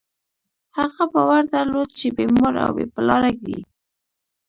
هغه باور درلود، چې بېمور او بېپلاره دی.